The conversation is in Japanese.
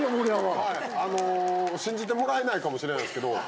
あの信じてもらえないかもしれないんですけど。